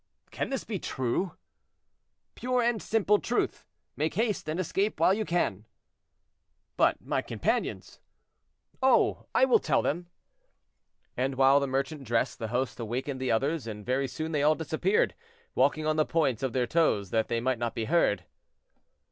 "Can this be true?" "Pure and simple truth. Make haste, and escape while you can." "But my companions?" "Oh! I will tell them." And while the merchant dressed, the host awakened the others, and very soon they all disappeared, walking on the points of their toes, that they might not be heard.